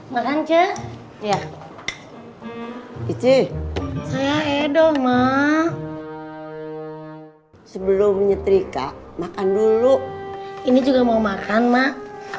makan ce ya itu saya edo ma sebelumnya trika makan dulu ini juga mau makan mak